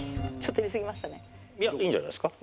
いやいいんじゃないですか？